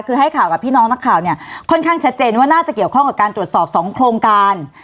คือให้ข่าวกับพี่น้องนักข่าวเนี่ยค่อนข้างชัดเจนว่าน่าจะเกี่ยวข้องกับการตรวจสอบสองโครงการ